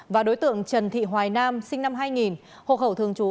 và đối tượng trần thị hoài nam sinh năm hai nghìn hộ khẩu thường trú